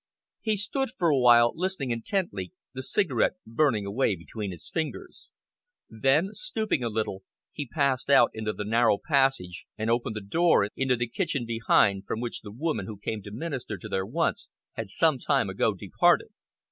He stood for a while, listening intently, the cigarette burning away between his fingers. Then, stooping a little, he passed out into the narrow passage and opened the door into the kitchen behind, from which the woman who came to minister to their wants had some time ago departed.